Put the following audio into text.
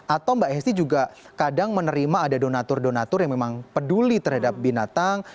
atau mbak hesti juga kadang menerima ada donatur donatur yang memang peduli terhadap binatang